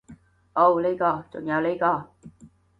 噢呢個，仲有呢個